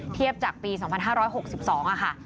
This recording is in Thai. เทียบจากปี๒๕๖๒ค่ะ